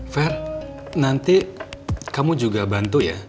fair nanti kamu juga bantu ya